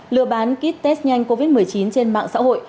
lừa bán ký test nhanh covid một mươi chín trên mạng xã hội